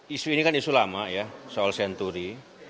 isu ini kan isu lama ya soal senturi